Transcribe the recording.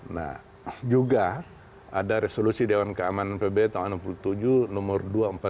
nah juga ada resolusi dewan keamanan pb tahun seribu sembilan ratus enam puluh tujuh nomor dua ratus empat puluh lima